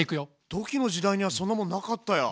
土器の時代にはそんなもんなかったよ。